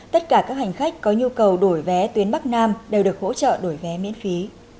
tất cả các hành khách có nhu cầu đổi vé tuyến bắc nam đều được hỗ trợ đổi vé miễn phí